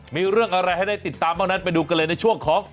มีเรื่องอะไรให้ได้ติดตามบ้างนั้นไปดูกันเลยในช่วงของ